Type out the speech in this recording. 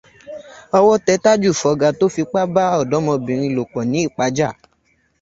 Ọwọ́ tẹ Tájù fọga tó fipá bá ọ̀dọ́mọbìnrin lòpọ̀ ní Ìpájà.